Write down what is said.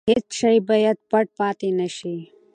هیڅ شی باید پټ پاتې نه شي.